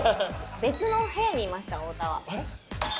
別の部屋にいました太田は。